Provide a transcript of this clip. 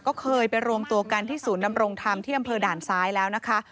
ก็เคยไปรวมตัวกันที่ศูนย์ดำรงธรรมที่อำเภอด่านซ้ายแล้วนะคะ